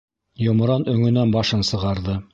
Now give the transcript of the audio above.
Йомран өңөнән башын сығарҙы.